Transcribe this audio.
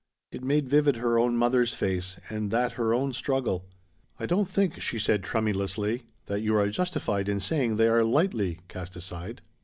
It made vivid her own mother's face, and that her own struggle. "I don't think," she said tremulously, "that you are justified in saying they are 'lightly' cast aside."